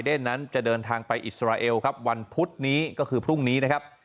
นั้นจะเดินทางไปอิสราเอลครับวันพุธนี้ก็คือพรุ่งนี้นะครับ